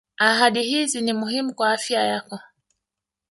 ahadi hizi ni muhimu kwa afya yako